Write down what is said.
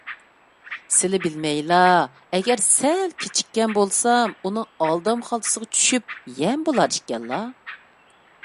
سىلى بىلمەيلا، ئەگەر سەل كېچىككەن بولسام، ئۇنىڭ ئالدام خالتىسىغا چۈشۈپ يەم بولار ئىكەنلا.